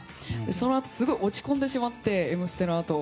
そのあとすごい落ち込んでしまって「Ｍステ」のあと。